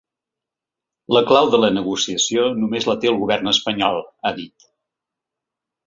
La clau de la negociació només la té el govern espanyol, ha dit.